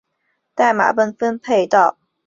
代码被分配给一个城市和五个区。